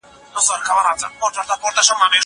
زه له سهاره د کتابتوننۍ سره خبري کوم!!